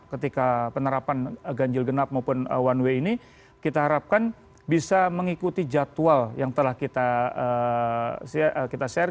ketika penerapan ganjil genap maupun one way ini kita harapkan bisa mengikuti jadwal yang telah kita share